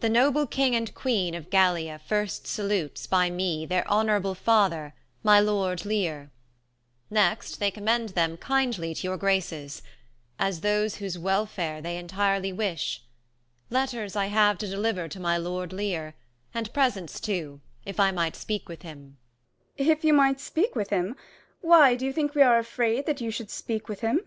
The noble king and queen of Gallia first salutes, 20 By me, their honourable father, my lord Leir : Next, they commend them kindly to your graces, As those whose welfare they entirely wish. Letters I have to deliver to my lord Leir, And presents too, if I might speak with him. 25 Gon. If you might speak with him ? why, do you think, We are afraid that you should speak with him